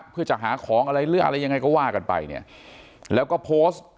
เพื่อจะหาของอะไรหรืออะไรยังไงก็ว่ากันไปเนี่ยแล้วก็โพสต์